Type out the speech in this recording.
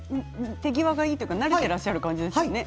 手際がいいというか慣れていらっしゃる感じですね。